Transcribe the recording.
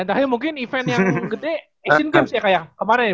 dan terakhir mungkin event yang gede asian games ya kayak kemarin ya